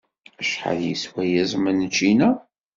Acḥal yeswa yiẓem n ččina?